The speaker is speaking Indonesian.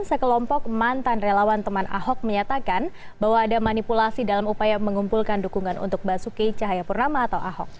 sekelompok mantan relawan teman ahok menyatakan bahwa ada manipulasi dalam upaya mengumpulkan dukungan untuk basuki cahayapurnama atau ahok